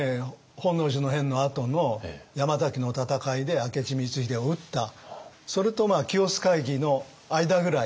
本能寺の変のあとの山崎の戦いで明智光秀を討ったそれと清須会議の間ぐらい。